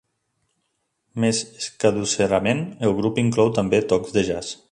Més escadusserament, el grup inclou també tocs de jazz.